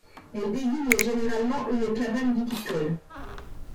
Elle désigne généralement une cabane viticole.